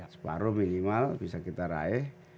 separuh minimal bisa kita raih